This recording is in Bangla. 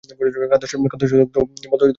খাদ্যশস্য বলতে কিছুই ছিলনা।